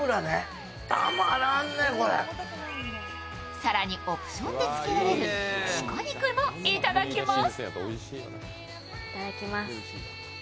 更にオプションでつけられる鹿肉もいただきます。